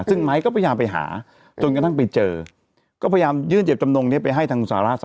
ซึ่งไม้ก็พยายามไปหาจนกระทั่งไปเจอก็พยายามยื่นเจ็บจำนงนี้ไปให้ทางสหรัฐ